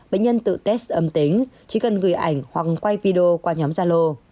bệnh nhân tự test âm tính chỉ cần gửi ảnh hoặc quay video qua nhóm gia lô